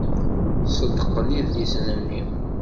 Ṣeddqen idlisen-nni.